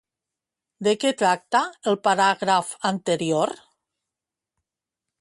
De què tracta el paràgraf anterior?